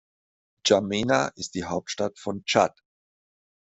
N’Djamena ist die Hauptstadt von Tschad.